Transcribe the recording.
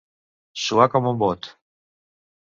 Suar com un bot.